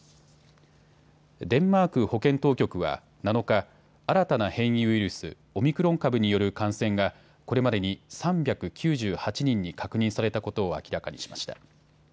デンマーク保健当局は７日、新たな変異ウイルス、オミクロン株による感染がこれまでに３９８人に確認されたことを明らかにしました。